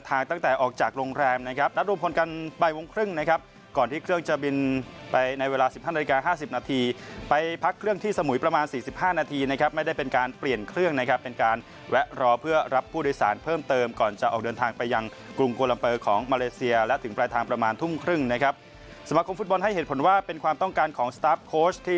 ต้องการให้นักเตะเดินทางแยกไฟล์ส